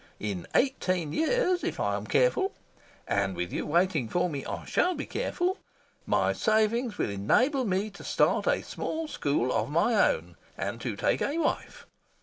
In eighteen years, if I am careful and, with you waiting for me, I SHALL be careful my savings will enable me to start a small school of my own, and to take a wife.